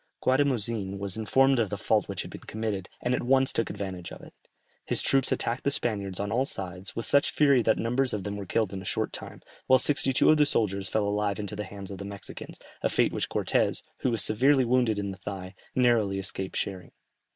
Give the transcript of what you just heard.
Guatimozin was informed of the fault which had been committed, and at once took advantage of it. His troops attacked the Spaniards on all sides with such fury that numbers of them were killed in a short time, while sixty two of the soldiers fell alive into the hands of the Mexicans, a fate which Cortès, who was severely wounded in the thigh, narrowly escaped sharing.